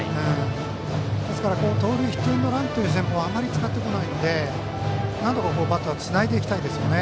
ですから、盗塁ヒットエンドランという戦法をあまり使ってこないのでなんとかバッターをつないでいきたいですね。